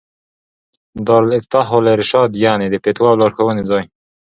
دار الافتاء والارشاد، يعني: د فتوا او لارښووني ځای